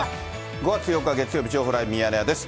５月８日月曜日、情報ライブミヤネ屋です。